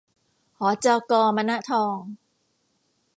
หจก.มนทอง